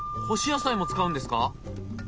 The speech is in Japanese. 干し野菜も使うんですか！？